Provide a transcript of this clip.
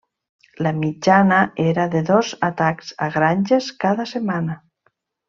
La mitjana era de dos atacs a granges cada setmana.